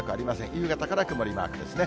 夕方から曇りマークですね。